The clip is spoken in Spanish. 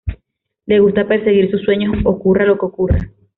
Le gusta perseguir sus sueños ocurra lo que ocurra.